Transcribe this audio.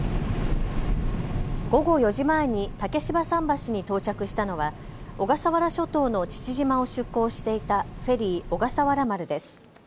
午後４時前に竹芝桟橋に到着したのは小笠原諸島の父島を出港していたフェリー、おがさわら丸です。